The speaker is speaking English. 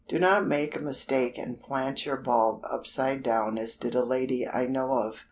Do not make a mistake and plant your bulb upside down as did a lady I know of.